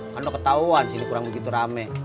kan lo ketahuan sini kurang begitu rame